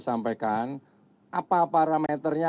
sampaikan apa parameternya